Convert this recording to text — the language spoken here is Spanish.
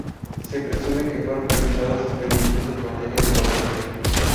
Se presume que fueron revisados expedientes en materia de corrupción.